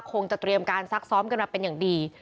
คงจะเตรียมการซักซ้อมกันมาเป็นอย่างดี